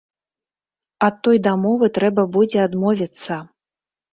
Ад той дамовы трэба будзе адмовіцца.